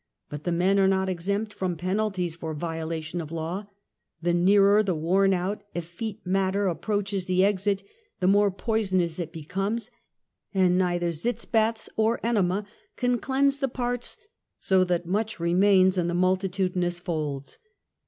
But the men are not exempt from penalties for violation of law. The /nearer the worn out, effete matter approaches the I exit, the more poisonous it becomes and neither sitz t baths or enema can cleans the parts so but that much remains in the multitudinous folds.